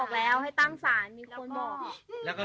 แล้วเคยมีแต่วงใส่ชุดขาให้รอบหมู่บ้าน